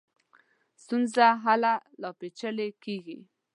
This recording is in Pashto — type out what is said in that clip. ستونزه هله لا پېچلې کېږي.